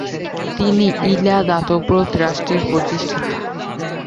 তিনি ইলা দাতব্য ট্রাস্টের প্রতিষ্ঠাতা।